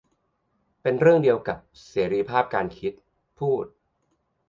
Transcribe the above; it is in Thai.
เป็นเรื่องเดียวกับเสรีภาพการคิด พูด